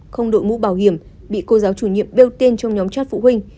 không đội mũ bảo hiểm bị cô giáo chủ nhiệm bêu tên trong nhóm chát phụ huynh